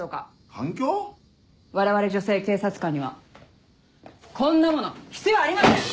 我々女性警察官にはこんなもの必要ありません！